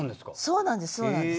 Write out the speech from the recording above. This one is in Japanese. そうなんです。